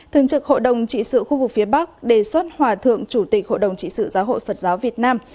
thường trực hội đồng trị sự khu vực phía bắc đề xuất hòa thượng chủ tịch hội đồng trị sự giáo hội phật giáo việt nam